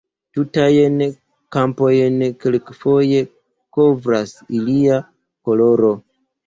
Tutajn kampojn kelkfoje kovras ilia koloro.